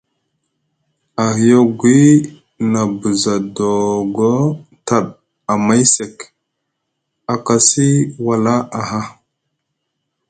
Ahiyagwi na buza doogo ta amay sek, a kasi wala aha.